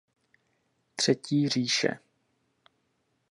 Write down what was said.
Třetí říše.